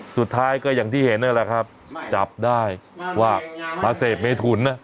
สุดท้ายก็อย่างที่เห็นนั่นแหละครับจับได้ว่ามาเสพเมถุนนะ